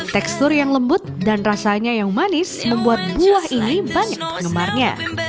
tekstur yang lembut dan rasanya yang manis membuat buah ini banyak penggemarnya